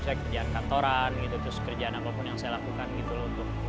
saya kerjaan kantoran gitu terus kerjaan apapun yang saya lakukan gitu loh